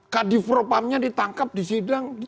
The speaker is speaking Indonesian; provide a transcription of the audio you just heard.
kadifropamnya ditangkap di sidang